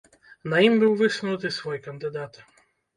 На ім быў высунуты свой кандыдат.